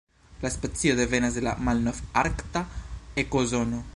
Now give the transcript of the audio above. La specio devenas de la Malnov-Arkta ekozono.